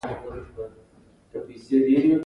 د روم امپراتور والنټیناین قیصر ته لور پېشنهاد کړه.